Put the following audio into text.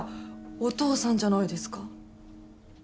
お父さんじゃないですか。